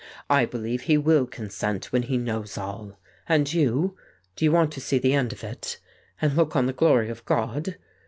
"I believe he will consent when he knows all. And you ? Do you want to see the end of it ? And look on the glory of God?